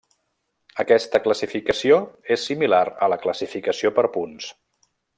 Aquesta classificació és similar a la classificació per punts.